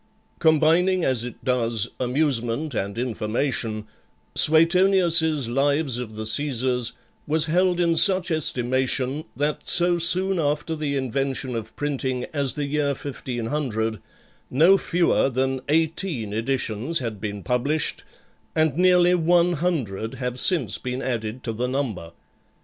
Combining as it does amusement and information, Suetonius's "Lives of the Caesars" was held in such estimation, that, so soon after the invention of printing as the year 1500, no fewer than eighteen editions had been published, and nearly one hundred have since been added to the number.